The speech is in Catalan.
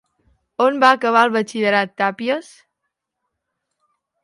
On va acabar el batxillerat Tàpies?